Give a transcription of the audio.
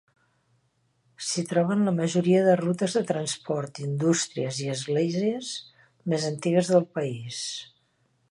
S'hi troben la majoria de rutes de transport, indústries i esglésies més antigues del país.